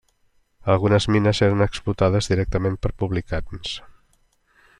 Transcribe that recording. Algunes mines eren explotades directament per publicans.